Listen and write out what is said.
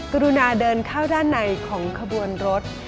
กรุณาเดินเข้าด้านในของขบวนรถ